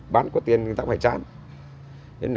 bán quá tiền người ta cũng phải chán